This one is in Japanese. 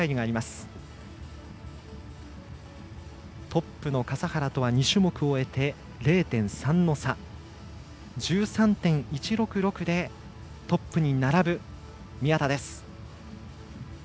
トップの笠原とは２種目終えて０．３の差。１３．１６６でトップに並ぶ宮田。